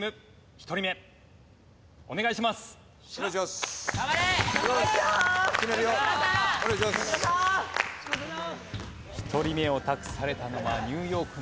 １人目を託されたのはニューヨークの嶋佐さん。